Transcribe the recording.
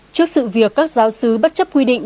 trước sự việc các giáo sứ bất chấp quy định